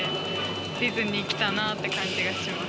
ディズニー来たなって感じがします。